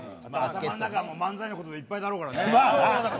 頭の中、漫才のことでいっぱいだろうからね。